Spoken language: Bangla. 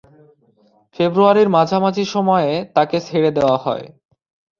ফেব্রুয়ারির মাঝামাঝি সময়ে তাকে ছেড়ে দেওয়া হয়।